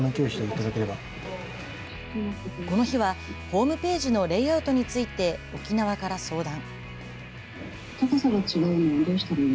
ホームページのレイアウトについて、沖縄から相談。